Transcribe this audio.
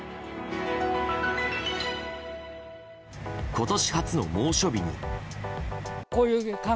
今年初の猛暑日に。